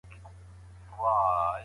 علمي څېړنه باید دقیقه وي.